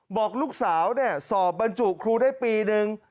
บอกลูกสาวสอบบรรจุครูได้ปีนึง